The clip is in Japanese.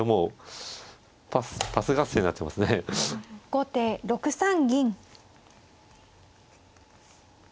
後手６三銀。